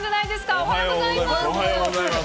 おはようございます。